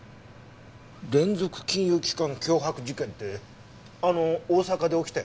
連続金融機関脅迫事件ってあの大阪で起きたやつ？